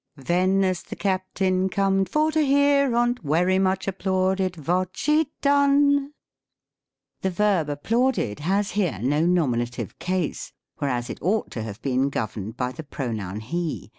" Ven as the Captain corned for to hear on't, Wery much applauded vot she'd done." The verb applauded has here no nominative case, whereas it ought to have been governed by the pronoun he.